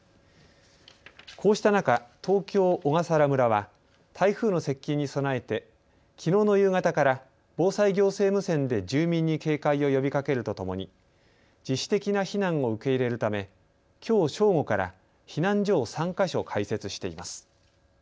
こうした中、東京小笠原村は台風の接近に備えてきのうの夕方から防災行政無線で住民に警戒を呼びかけるとともに自主的な避難を受け入れるためきょう正午から避難所を３か所開設しています。